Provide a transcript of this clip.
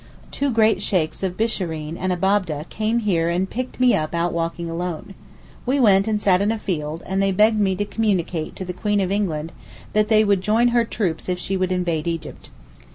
Two great Sheykhs of Bishareen and Abab'deh came here and picked me up out walking alone. We went and sat in a field, and they begged me to communicate to the Queen of England that they would join her troops if she would invade Egypt.